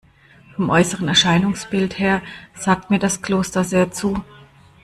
Vom äußeren Erscheinungsbild her sagt mir das Kloster sehr zu.